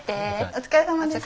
お疲れさまでした。